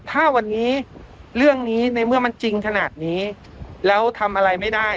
ถ้าวันนี้เรื่องนี้ในเมื่อมันจริงขนาดนี้แล้วทำอะไรไม่ได้